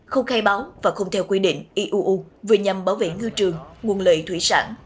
không khai báo và không theo quy định iuu vừa nhằm bảo vệ ngư trường nguồn lợi thủy sản